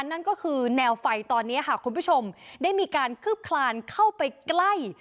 นั่นก็คือแนวไฟตอนนี้ค่ะคุณผู้ชมได้มีการคืบคลานเข้าไปใกล้